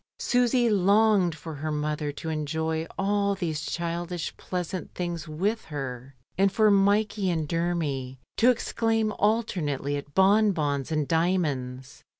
Susy longed for her mother to enjoy all these childish pleasant things with her, and for Mikey and Dermy to ex claim alternately at bonbons and diamonds.